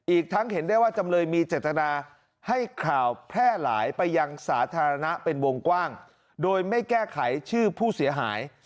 อีกทั้งเห็นได้ว่าจำเลยมีเจตนาให้ข่าวแพร่หลายไปยังสาธารณะเป็นวงกว้างโดยไม่แก้ไขชื่อผู้เสียหาย